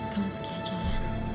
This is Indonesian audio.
kamu pergi aja ya